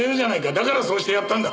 だからそうしてやったんだ。